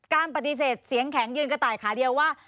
การปฏิเสธเสียงแข็งยืนกระต่ายขาเดียวว่า